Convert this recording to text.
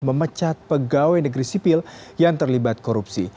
memecat pegawai negeri sipil yang terlibat korupsi